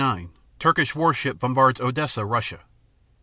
29 Turkish war ship bombards Odessa, Russia.